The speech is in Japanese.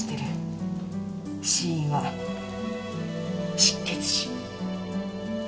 死因は失血死。